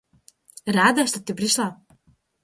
Рада, что ты пришла.